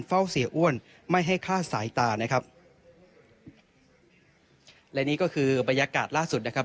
เฝ้าเสียอ้วนไม่ให้คลาดสายตานะครับและนี่ก็คือบรรยากาศล่าสุดนะครับ